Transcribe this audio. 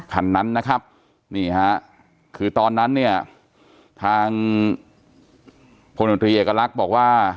คันนั้นนะครับนี่ฮะคือตอนนั้นเนี่ยทางพลโนตรีเอกลักษณ์บอกว่า